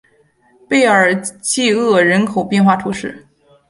贝尔济厄人口变化图示